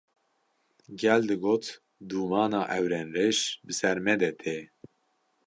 Gel digot: “Dûmana ewrên reş bi ser me de tê”